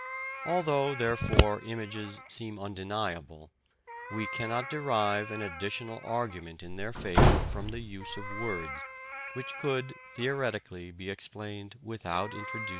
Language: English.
Although, therefore, images seem undeniable, we cannot derive an additional argument in their favour from the use of words, which could, theoretically, be explained without introducing images.